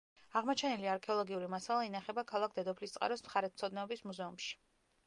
აღმოჩენილი არქეოლოგიური მასალა ინახება ქალაქ დედოფლისწყაროს მხარეთმცოდნეობის მუზეუმში.